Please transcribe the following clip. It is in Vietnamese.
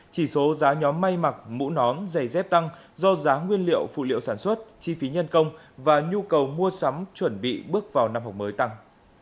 chỉ số giá nhóm may mặc mũ nón giày dép tăng do giá nguyên liệu phụ liệu sản xuất chi phí nhân công và nhu cầu mua sắm chuẩn bị bước vào năm học mới tăng